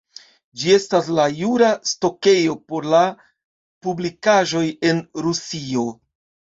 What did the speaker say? Ĝi estas la jura stokejo por la publikaĵoj en Rusio.